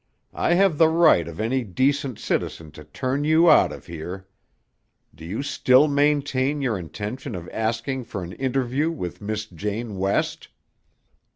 I have the right of any decent citizen to turn you out of here. Do you still maintain your intention of asking for an interview with Miss Jane West?"